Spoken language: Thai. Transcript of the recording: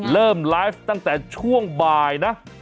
เริ่มไลฟ์ตั้งแต่ช่วงบ่ายนะ